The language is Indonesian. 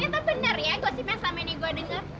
ini tentu bener ya gosipnya selama ini gue denger